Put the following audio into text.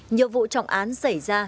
nhiều vụ trọng án xảy ra